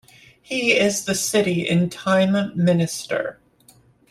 He is the city in Time Minister.